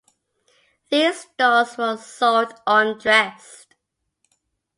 These dolls were sold undressed.